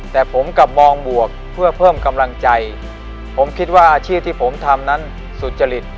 แต่ผมกลับมองบวกเพื่อเพิ่มกำลังใจผมคิดว่าอาชีพที่ผมทำนั้นสุจริต